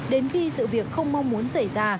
đến khi sự việc không mong muốn xảy ra